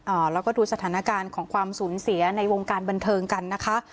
อ่าแล้วก็ดูสถานการณ์ของความสูญเสียในวงการบันเทิงกันนะคะ